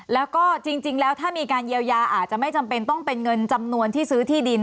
แล้วก็จริงแล้วถ้ามีการเยียวยาอาจจะไม่จำเป็นต้องเป็นเงินจำนวนที่ซื้อที่ดิน